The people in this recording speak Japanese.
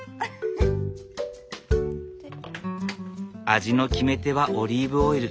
味の決め手はオリーブオイル。